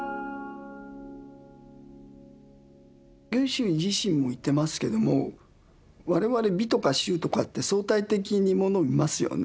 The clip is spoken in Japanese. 御舟自身も言ってますけども我々美とか醜とかって相対的にものを見ますよね。